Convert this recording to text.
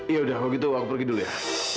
ya udah kalau gitu aku pergi dulu ya